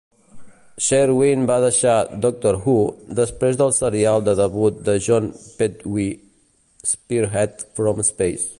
Sherwin va deixar "Doctor Who" després del serial de debut de Jon Pertwee, "Spearhead from Space".